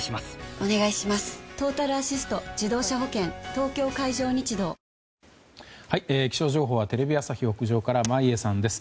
東京海上日動気象情報は、テレビ朝日屋上から眞家さんです。